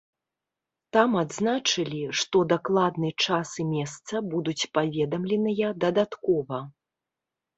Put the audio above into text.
Там адзначылі, што дакладны час і месца будуць паведамленыя дадаткова.